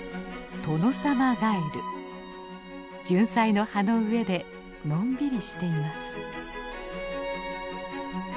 ジュンサイの葉の上でのんびりしています。